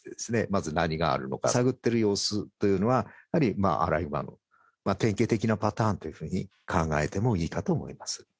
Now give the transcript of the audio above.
まず何があるのか探ってる様子というのはアライグマの典型的なパターンというふうに考えてもいいかと思います